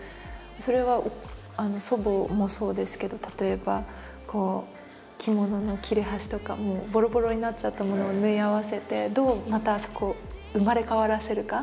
それは祖母もそうですけど例えば着物の切れ端とかもうぼろぼろになっちゃったものを縫い合わせてどうまたそこを生まれ変わらせるか。